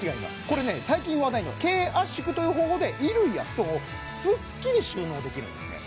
これね最近話題の軽圧縮という方法で衣類や布団をスッキリ収納できるんですね